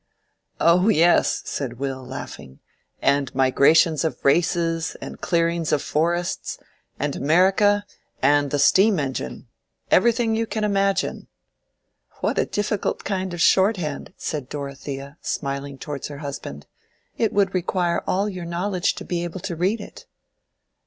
"Oh yes," said Will, laughing, "and migrations of races and clearings of forests—and America and the steam engine. Everything you can imagine!" "What a difficult kind of shorthand!" said Dorothea, smiling towards her husband. "It would require all your knowledge to be able to read it."